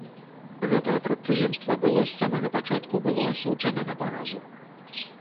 Гэтае прадпрыемства было з самага пачатку было асуджана на паразу.